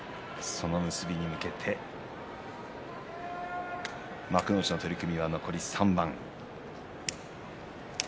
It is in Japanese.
その結びに向けて幕内の取組は残り３番です。